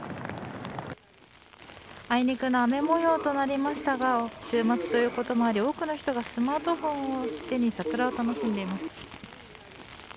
あいにくの雨模様となりましたが週末ということもあり多くの人がスマートフォンを手に桜を楽しんでいます。